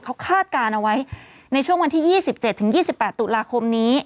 เขาคาดการณ์เอาไว้ในช่วงวันที่๒๗๒๘ตุลาคมนี้